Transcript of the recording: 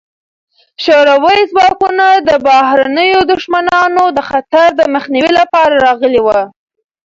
شوروي ځواکونه د بهرنیو دښمنانو د خطر د مخنیوي لپاره راغلي وو.